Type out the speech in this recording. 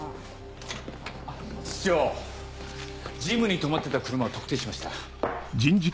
室長ジムに止まってた車を特定しました。